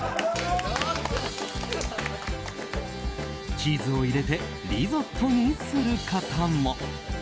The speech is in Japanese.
チーズを入れてリゾットにする方も。